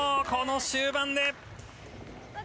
この終盤で。